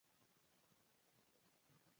دې نباتاتو په وحشي ډول وده کوله.